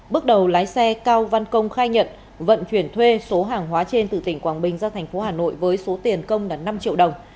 bước đầu lái xe cao văn công khai nhận vận chuyển thuê số hàng hóa trên từ tỉnh quảng bình ra thành phố hà nội với số tiền công là năm triệu đồng